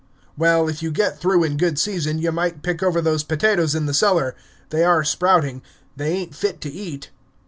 "Well, if you get through in good season, you might pick over those potatoes in the cellar; they are sprouting; they ain't fit to eat."